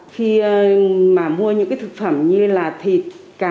khi mà mua những cái thực phẩm như là thịt cá